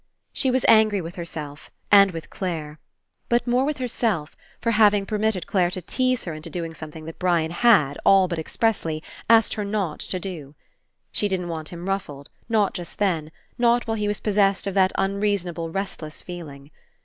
She was angry with herself and with Clare. But more with herself, for having per mitted Clare to tease her Into doing something that Brian had, all but expressly, asked her not to do. She didn't want him ruffled, not just then, not while he was possessed of that un reasonable restless feeling.